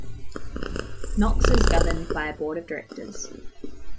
Knox is governed by a Board of Directors.